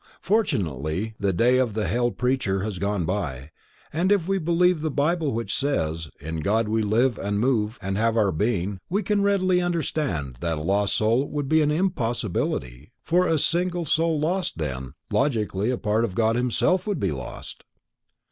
Fortunately the day of the hell preacher has gone by, and if we believe the Bible which says that "in God we live and move and have our being," we can readily understand that a lost soul would be an impossibility, for were one single soul lost, then logically a part of God Himself would be lost.